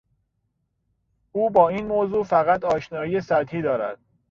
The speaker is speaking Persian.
او با این موضوع فقط آشنایی سطحی دارد.